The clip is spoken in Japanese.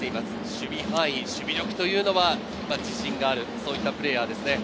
守備範囲、守備力というのは自信がある、そういったプレーヤーですね。